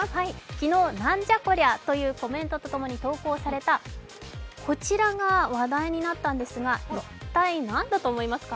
昨日、「なんじゃこりゃ！？」というコメントとともに投稿されたこちらが話題になったんですが一体何だと思いますか？